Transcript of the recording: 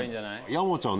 山ちゃん